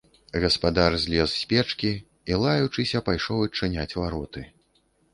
Гаспадар злез з печкі і, лаючыся, пайшоў адчыняць вароты.